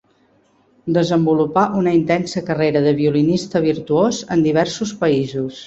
Desenvolupà una intensa carrera de violinista virtuós en diversos països.